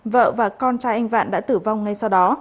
vợ và con trai anh vạn đã tử vong ngay sau đó